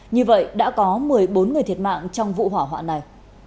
như vậy đã có một mươi bốn người thiệt mạng trong vụ hỏa hoạn này